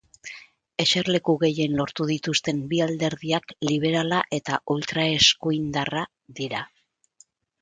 Eserleku gehien lortu dituzten bi alderdiak liberala eta ultraeskuindarra dira.